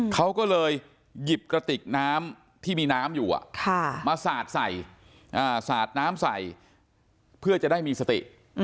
เขาก็เลยหยิบกระติกน้ำที่มีน้ำอยู่มาสาดใส่สาดน้ำใส่เพื่อจะได้มีสติ